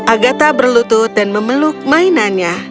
agatha berlutut dan memeluk mainannya